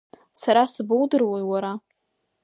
Сара сабоудыруеи Уара?